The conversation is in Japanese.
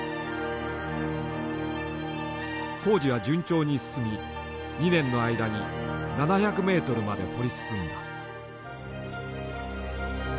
工事は順調に進み２年の間に７００ｍまで掘り進んだ。